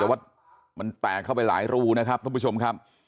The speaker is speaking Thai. แต่ว่ามันแตกเข้าไปหลายรูนะครับท่านผู้ชมครับ